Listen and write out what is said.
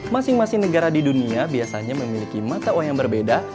masing masing negara di dunia biasanya memiliki mata uang yang berbeda